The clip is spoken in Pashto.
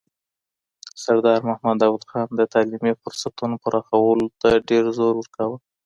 سردار محمد داود خان د تعلیمي فرصتونو پراخولو ته ډېر زور ورکاوه.